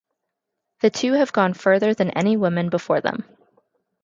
The two have gone further than any woman before them.